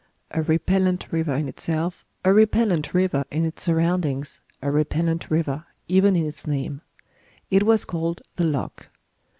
A repellent river in itself, a repellent river in its surroundings, a repellent river even in its name. It was called The Loke.